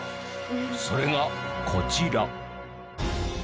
それがこちら。